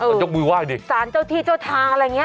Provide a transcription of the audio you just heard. ก็ยกมือไหว้ดิสารเจ้าที่เจ้าทางอะไรอย่างเงี้